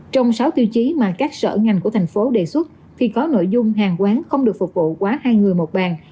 trong sáu tiêu chí mà các sở ngành của thành phố đề xuất thì có nội dung hàng quán không được phục vụ quá hai người một bàn